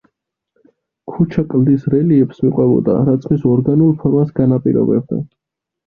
ქუჩა კლდის რელიეფს მიყვებოდა, რაც მის ორგანულ ფორმას განაპირობებდა.